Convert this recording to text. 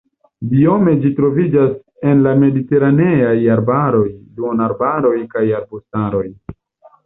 Biome ĝi troviĝas en la mediteraneaj arbaroj, duonarbaroj kaj arbustaroj.